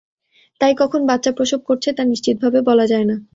তাই কখন বাচ্চা প্রসব করছে, তা নিশ্চিতভাবে বলা যায় না।